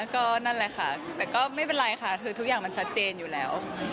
ก็นั่นแหละค่ะแต่ก็ไม่เป็นไรค่ะคือทุกอย่างมันชัดเจนอยู่แล้ว